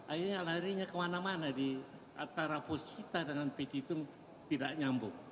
akhirnya larinya kemana mana di antara pusita dengan pick itu tidak nyambung